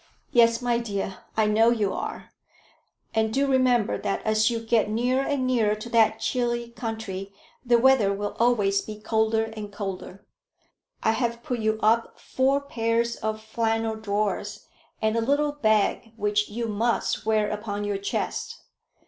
"Yes, my dear, I know you are; and do remember that as you get nearer and nearer to that chilly country the weather will always be colder and colder. I have put you up four pairs of flannel drawers, and a little bag which you must wear upon your chest.